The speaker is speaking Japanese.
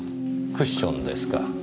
クッションですか。